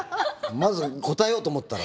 まず答えようと思ったら。